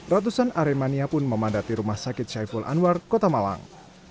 ratusan aremania pun memadati rumah sakit syaiful anwar kota malang